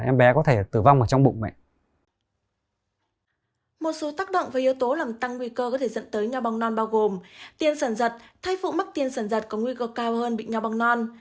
một số tác động và yếu tố làm tăng nguy cơ có thể dẫn tới nho bong non bao gồm tiền sản giật thay phụ mắc tiền sản giật có nguy cơ cao hơn bị nho bong non